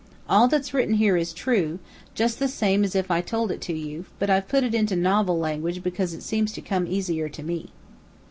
All that's written here is true, jus' the same as if I told it to you, but I've put it into novel language because it seems to come easier to me."